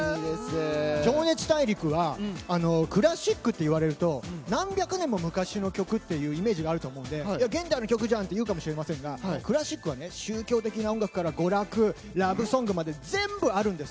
「情熱大陸」はクラシックと言われると何百年も昔の曲というイメージがあると思うので現代の曲じゃんというかもしれませんがクラシックは宗教的な音楽から娯楽、ラブソングまで全部あるんです。